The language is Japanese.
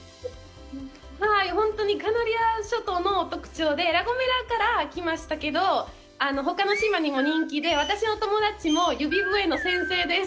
本当にカナリア諸島の特徴で、ラ・ゴメラから来ましたけど、ほかの島にも人気で、私の友達も指笛の先生です。